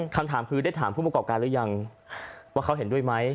คำถามคือได้ถามผู้ประกอบการหรือยังว่าเขาเห็นด้วยไหม